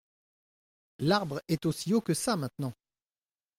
L’arbre est aussi haut que ça maintenant.